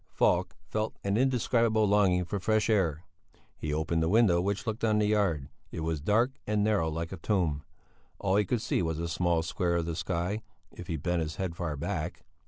Falk felt an indescribable longing for fresh air; he opened the window which looked on the yard; it was dark and narrow like a tomb; all he could see was a small square of the sky if he bent his head far back.